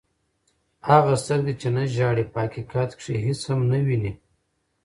هغه سترګي، چي نه ژاړي په حقیقت کښي هيڅ هم نه ويني.